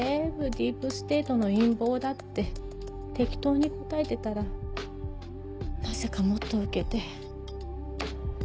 ディープステートの陰謀だって適当に答えてたらなぜかもっとウケて。